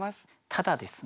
ただですね